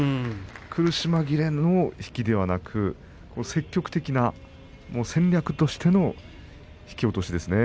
苦し紛れの引きではなく積極的な戦略としての引き落としですね。